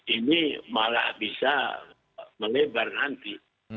ini malah bisa melebar nanti